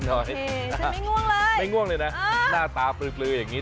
โอเคฉันไม่ง่วงเลยไม่ง่วงเลยนะหน้าตาปลื้อปลืออย่างนี้